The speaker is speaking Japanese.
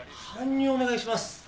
搬入お願いします。